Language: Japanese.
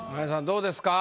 どうですか？